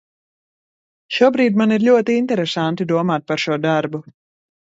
Šobrīd man ir ļoti interesanti domāt par šo darbu.